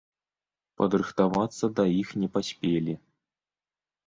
Падрыхтавацца да іх не паспелі.